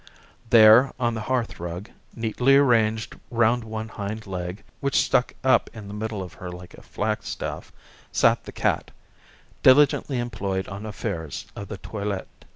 There on the hearth rug, neatly arranged round one hind leg which stuck up in the middle of her like a flagstaff, sat the cat, diligently employed on affairs of the toilet.